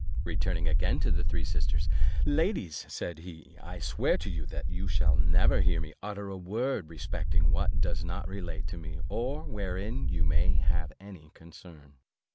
Returning again to the three sisters, "Ladies," said he, "I swear to you that you shall never hear me utter a word respecting what does not relate to me, or wherein you may have any concern."